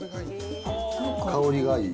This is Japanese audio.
香りがいい。